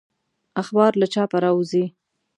اخبار له چاپه راووزي.